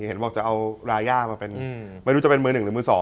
เห็นบอกจะเอารายามาเป็นไม่รู้จะเป็นมือหนึ่งหรือมือ๒